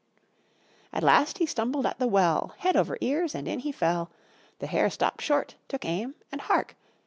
At last he stumbled at the well, Head over ears, and in he fell. The hare stopped short, took aim and, hark!